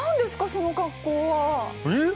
その格好は。えっ？